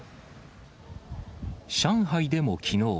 上海でもきのう、